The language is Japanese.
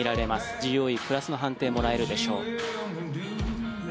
ＧＯＥ、プラスの判定をもらえるでしょう。